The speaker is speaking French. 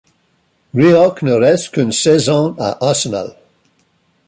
Rioch ne reste qu'une saison à Arsenal.